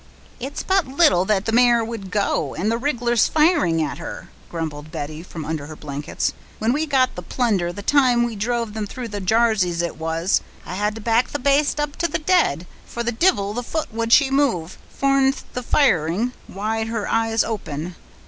"It's but little that the mare would go, and the rig'lars firing at her," grumbled Betty, from under her blanket. "When we got the plunder, the time we drove them through the Jarseys it was, I had to back the baste up to the dead; for the divil the foot would she move, fornent the firing, wid her eyes open.